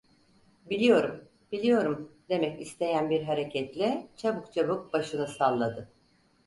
"Biliyorum, biliyorum!" demek isteyen bir hareketle çabuk çabuk başını salladı.